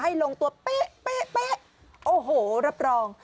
ให้ลงตัวเอ้าวรับรอง